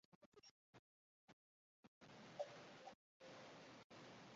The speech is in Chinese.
鼻头溪河口南侧不远处为淡水红树林保护区。